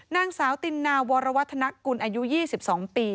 นางสาวตินนาวรวัฒนกุลอายุ๒๒ปี